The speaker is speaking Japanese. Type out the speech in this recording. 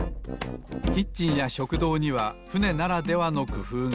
キッチンや食堂にはふねならではのくふうが。